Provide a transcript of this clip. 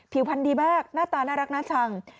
พันธุ์ดีมากหน้าตาน่ารักน่าชัง